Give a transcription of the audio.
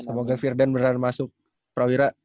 semoga virdan beneran masuk prawira